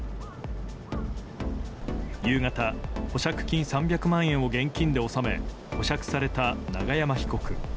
夕方、保釈金３００万円を現金で納め、保釈された永山被告。